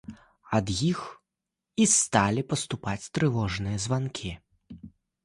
Ад іх і сталі паступаць трывожныя званкі.